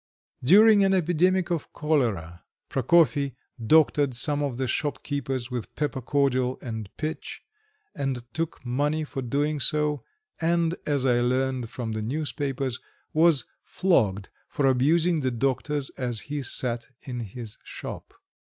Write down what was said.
During an epidemic of cholera Prokofy doctored some of the shopkeepers with pepper cordial and pitch, and took money for doing so, and, as I learned from the newspapers, was flogged for abusing the doctors as he sat in his shop.